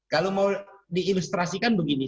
kalau mau diilustrasikan begini